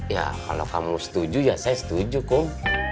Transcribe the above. ya kalau kamu setuju ya saya setuju kok